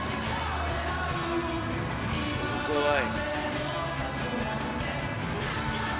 すごい！